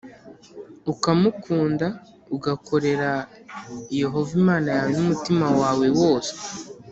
ukamukunda, ugakorera Yehova Imana yawe n’umutima wawe wose